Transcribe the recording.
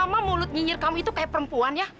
lama lama mulut nyinyir kamu itu kayak panggungnya ya